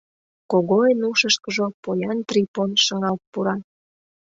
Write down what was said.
Когойын ушышкыжо поян Трипон шыҥалт пура.